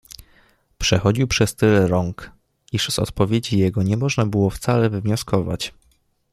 Przechodził przez tyle rąk, iż z odpowiedzi jego nie było można wcale wywnioskować.